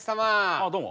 あどうも。